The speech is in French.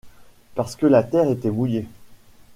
Parce que la terre était mouillée.